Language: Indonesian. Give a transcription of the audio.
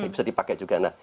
bisa dipakai juga